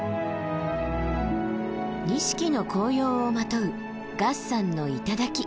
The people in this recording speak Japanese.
錦の紅葉をまとう月山の頂。